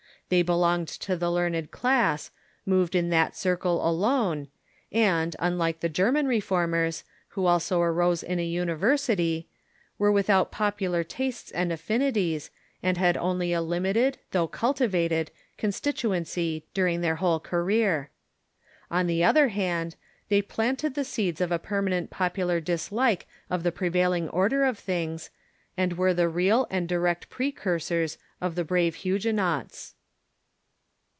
They belonged to the learned class, moved in that circle alone, and, unlike the Ger man Reformers, who also arose in a university, were without popular tastes and affinities, and had only a limited, though cultivated, constituency during their whole career. On the 200 THE EEFORMATIOX Other hand, they planted the seeds of a j^ermanent popular dis like of the prevailing order of things, and were the real and direct precursors of the brave Huguenots.